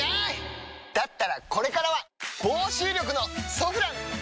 だったらこれからは防臭力の「ソフラン」！